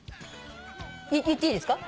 言っていいですか？